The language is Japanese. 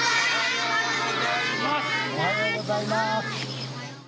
おはようございます。